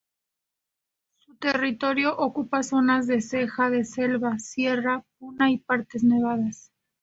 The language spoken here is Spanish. Su territorio ocupa zonas de ceja de selva, sierra, puna y partes nevadas.